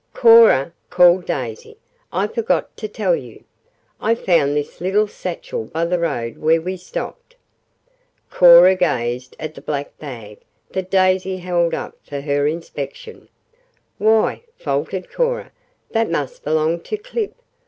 "Cora," called Daisy, "I forgot to tell you. I found this little satchel by the road where we stopped." Cora gazed at the black bag that Daisy held up for her inspection. "Why," faltered Cora, "that must belong to Clip.